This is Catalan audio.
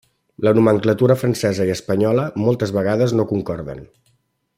La nomenclatura francesa i espanyola, moltes vegades, no concorden.